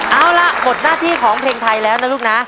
เอาละหลับหมดหน้าที่ของเพลงไทยนะนี่ลูกนะ